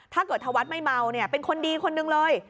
ธวัฒน์ไม่เมาเนี่ยเป็นคนดีคนหนึ่งเลย